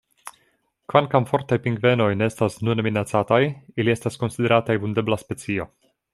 Kvankam Fortaj pingvenoj ne estas nune minacataj, ili estas konsiderataj vundebla specio.